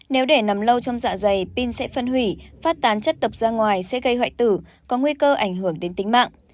nếu để nằm lâu trong dạ dày pin sẽ phân hủy phát tán chất độc ra ngoài sẽ gây hoại tử có nguy cơ ảnh hưởng đến tính mạng